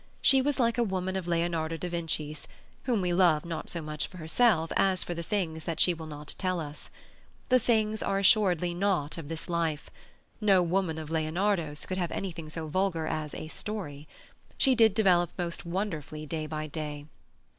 She was like a woman of Leonardo da Vinci's, whom we love not so much for herself as for the things that she will not tell us. The things are assuredly not of this life; no woman of Leonardo's could have anything so vulgar as a "story." She did develop most wonderfully day by day.